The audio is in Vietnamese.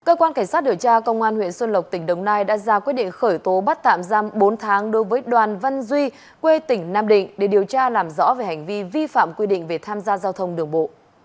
cơ quan cảnh sát điều tra công an huyện xuân lộc tỉnh đồng nai đã ra quyết định khởi tố bắt tạm giam bốn tháng đối với đoàn văn duy quê tỉnh nam định để điều tra làm rõ về hành vi vi phạm quy định về tham gia giao thông đường bộ